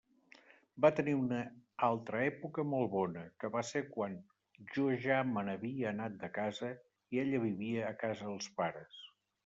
Va tenir una altra època molt bona, que va ser quan jo ja me n'havia anat de casa, i ella vivia a casa els pares.